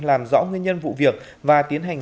làm rõ nguyên nhân vụ việc và tiến hành